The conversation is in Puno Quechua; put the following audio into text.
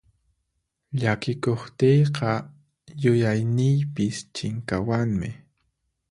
Llakikuqtiyqa yuyayniypis chinkawanmi.